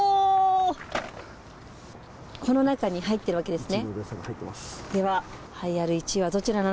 この中に入ってるわけですね。